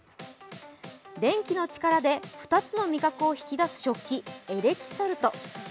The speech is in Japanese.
電気の力で２つの味覚を引き出す食器、エレキソルト。